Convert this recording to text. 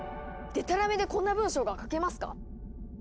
でたらめでこんな文章が書けますか？